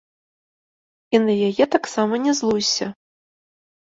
І на яе таксама не злуйся.